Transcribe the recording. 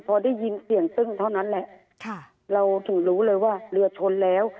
พอได้ยินเสียงตึ้งเท่านั้นแหละค่ะเราถึงรู้เลยว่าเรือชนแล้ว